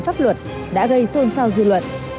pháp luật đã gây xôn xao dư luận